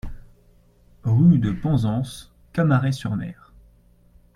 Rue de Penzance, Camaret-sur-Mer